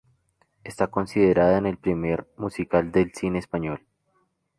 Está considerada el primer musical del cine español.